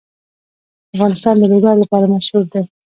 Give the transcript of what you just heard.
افغانستان د لوگر لپاره مشهور دی.